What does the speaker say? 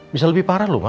bisa lebih parah loh ma